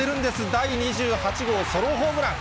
第２８号ソロホームラン。